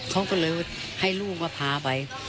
เขาก็เลยให้ลูกมาพาไป